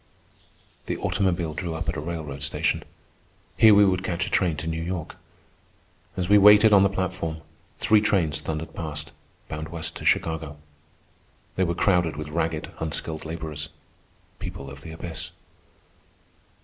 The automobile drew up at a railroad station. Here we would catch a train to New York. As we waited on the platform, three trains thundered past, bound west to Chicago. They were crowded with ragged, unskilled laborers, people of the abyss.